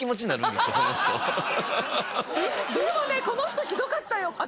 この人ひどかったよ